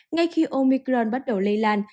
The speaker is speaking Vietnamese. ngay khi omicron bắt đầu lây lan